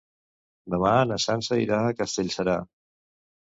Demà na Sança irà a Castellserà.